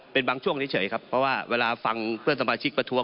เป็นบางช่วงเฉยครับเพราะว่าเวลาฟังเพื่อนสมาชิกประท้วง